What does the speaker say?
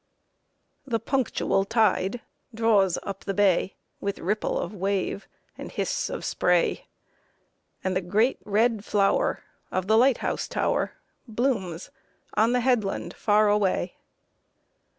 The punctual tide draws up the bay, With ripple of wave and hiss of spray, And the great red flower of the light house tower Blooms on the headland far away.